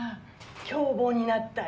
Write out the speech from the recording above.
凶暴になったり。